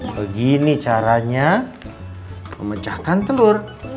begini caranya memecahkan telur